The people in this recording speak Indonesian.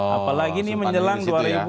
apalagi ini menjelang dua ribu sembilan belas